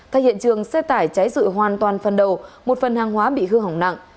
thay hiện trường xe tải cháy rụi hoàn toàn phần đầu một phần hàng hóa bị hư hỏng nặng